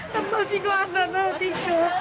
tembel singgung tembel tinggi